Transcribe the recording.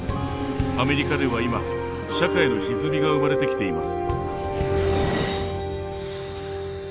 アメリカでは今社会のひずみが生まれてきています。